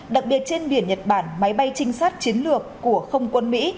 đặc biệt trên biển nhật bản máy bay trinh sát chiến lược của không quân mỹ